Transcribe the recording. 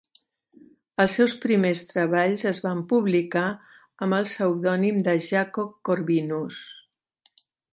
Els seus primers treballs es van publicar amb el pseudònim de Jakob Corvinus.